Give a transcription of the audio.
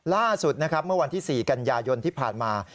ล่าสุดนะครับเมื่อวันที่๔กันยายนที่ผ่านมา